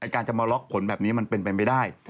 การจะมาล็อกผลแบบนี้มันเป็นไปไม่ได้